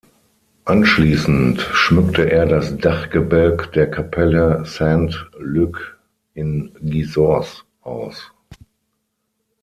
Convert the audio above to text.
Anschließend schmückte er das Dachgebälk der Kapelle "Saint-Luc" in Gisors aus.